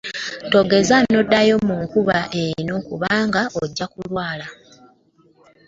Togeza nodayo munkuba eno kubanga ojja kulwala.